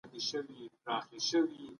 سیاستوال په بهرني سیاست کي څه لټوي؟